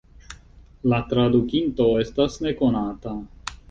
La tradukinto estas nekonata.